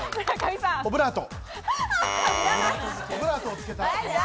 オブラート。